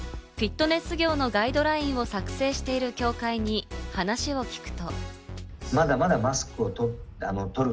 フィットネス業のガイドラインを作成している協会に話を聞くと。